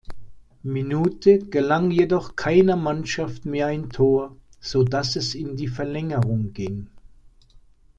Minute gelang jedoch keiner Mannschaft mehr ein Tor, sodass es in die Verlängerung ging.